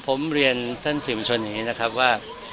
ผมเรียนท่านสื่อมวลชนอย่างนี้นะครับว่า